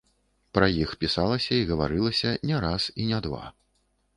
Пра іх пісалася і гаварылася не раз і не два.